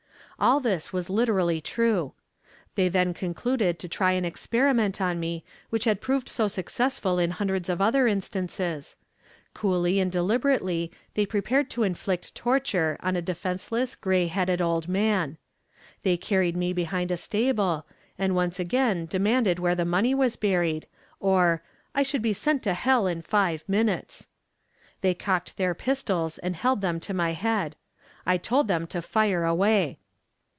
All this was literally true. They then concluded to try an experiment on me which had proved so successful in hundreds of other instances. Coolly and deliberately they prepared to inflict torture on a defenseless, gray headed old man. They carried me behind a stable, and once again demanded where the money was buried, or 'I should be sent to hell in five minutes.' They cocked their pistols and held them to my head. I told them to fire away.